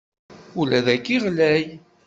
Ula d dayi ɣlay.